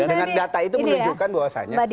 dengan data itu menunjukkan bahwasannya